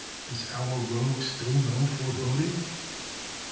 Has our rogue still no foreboding?